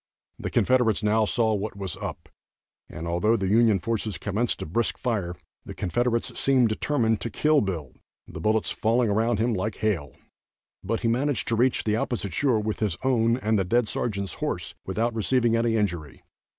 The Confederates now saw what was up, and although the Union forces commenced a brisk fire, the Confederates seemed determined to kill Bill, the bullets falling around him like hail; but he managed to reach the opposite shore with his own and the dead sergeant's horse without receiving any injury.